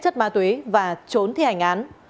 chất ma tuế và trốn thi hành án